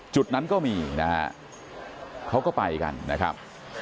จุดนั้นก็มีนะฮะเขาก็ไปกันนะครับ